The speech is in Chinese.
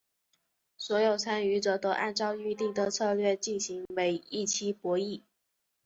所有参与者都按照预定的策略进行每一期博弈。